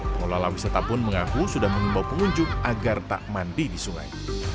pengelola wisata pun mengaku sudah mengimbau pengunjung agar tak mandi di sungai